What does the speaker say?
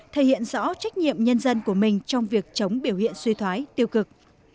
thể hiện rõ trách nhiệm nhân dân của mình trong việc chống biểu hiện suy thoái tiêu cực